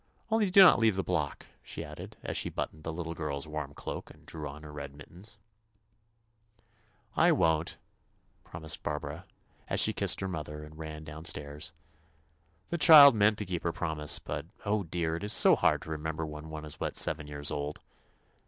Only do not leave the block," she added, as she buttoned the little girl's warm cloak and drew on her red mittens. 147 THE ADVENTURES OF "I won't," promised Barbara, as she kissed her mother, and ran down stairs. The child meant to keep her promise, but, oh, dear I it is so hard to remember when one is but seven years old.